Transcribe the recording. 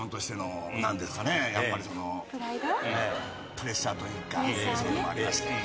プレッシャーというかそういうのもありまして。